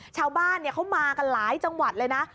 ชาวบ้านเขามากันหลายจังหวัดเลยนะ